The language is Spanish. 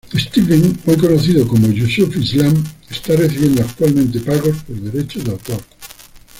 Stevens, hoy conocido como Yusuf Islam, está recibiendo actualmente pagos por derechos de autor.